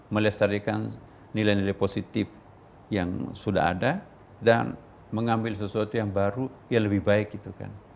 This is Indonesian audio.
melestarikan nilai nilai positif yang sudah ada dan mengambil sesuatu yang baru ya lebih baik gitu kan